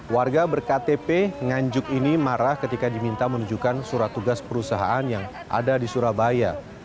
warga berktp nganjuk ini marah ketika diminta menunjukkan surat tugas perusahaan yang ada di surabaya